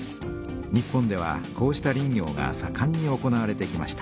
日本ではこうした林業がさかんに行われてきました。